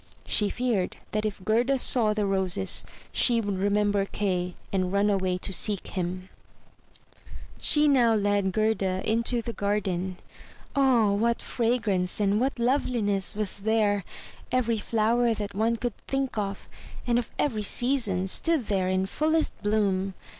She feared that if Gerda saw the roses, she would remember Kay and run away to seek him. 3". MY BOOK HOUSE She now led Gerda into the garden. O, what fragrance and what loveliness was there! Every flower that one could think of, and of every season, stood there in fullest bloom.